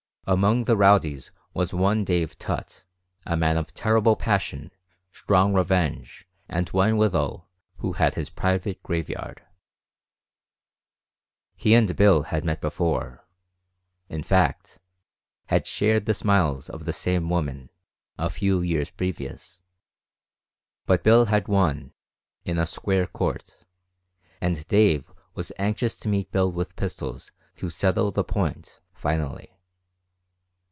Among the rowdies was one Dave Tutt, a man of terrible passion, strong revenge, and one withal who had his private graveyard. He and Bill had met before; in fact, had shared the smiles of the same woman, a few years previous; but Bill had won "in a square court," and Dave was anxious to meet Bill with pistols to settle the point finally.